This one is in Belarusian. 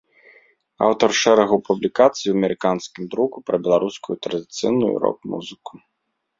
Аўтар шэрагу публікацый у амерыканскім друку пра беларускую традыцыйную і рок-музыку.